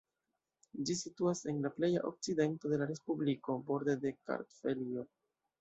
Ĝi situas en la pleja okcidento de la respubliko, borde de Kartvelio.